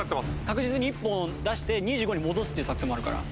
確実に１本出して２５に戻すっていう作戦もあるから。